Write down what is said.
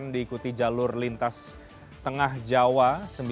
diikuti jalur lintas tengah jawa sembilan tujuh